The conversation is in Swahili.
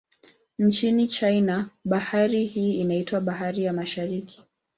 Nchini China, bahari hii inaitwa Bahari ya Mashariki.